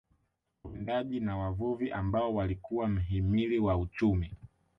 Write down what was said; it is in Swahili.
Wawindaji na wavuvi ambao walikuwa mhimili wa uchumi